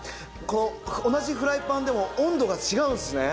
同じフライパンでも温度が違うんですね。